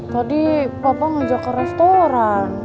tadi bapak ngajak ke restoran